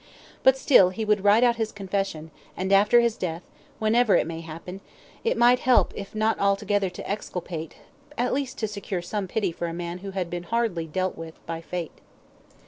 But still, he would write out his confession, and after his death, whenever it may happen, it might help if not altogether to exculpate, at least to secure some pity for a man who had been hardly dealt with by Fate.